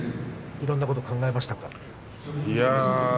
いろんなことを考えましたか？